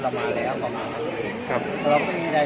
สวัสดีครับพี่เบนสวัสดีครับ